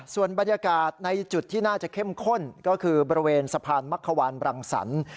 ส่วนบรรยากาศในจุดที่น่าจะเข้มข้นก็คือบริเวณสะพานมักขวานบรังสรรค์